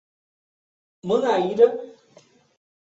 Manaíra